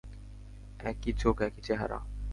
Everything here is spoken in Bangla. একই চোখ একই চেহারা।